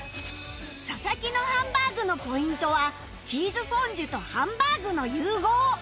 佐々木のハンバーグのポイントはチーズフォンデュとハンバーグの融合